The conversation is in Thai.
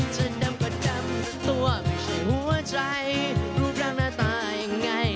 จะดำก็ดำตัวผีหัวใจรูปร่างหน้าตายังไง